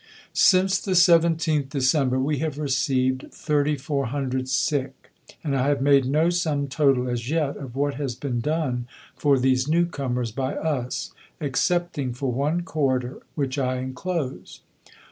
Since the 17th December, we have received 3400 sick, and I have made no sum total as yet of what has been done for these new comers by us excepting for one corridor, which I enclose.